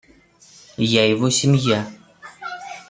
Я его семья.